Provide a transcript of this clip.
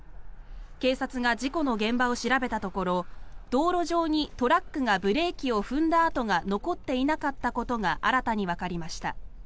警察が事故の現場を調べたところ道路上にトラックがブレーキを踏んだ跡が残っていなかったことが新たにわかりました。